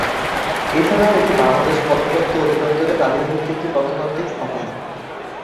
এছাড়াও এটি বাংলাদেশ প্রত্নতত্ত্ব অধিদপ্তর এর তালিকাভুক্ত একটি প্রত্নতাত্ত্বিক স্থাপনা।